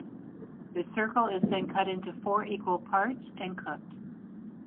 The circle is then cut into four equal pieces and cooked.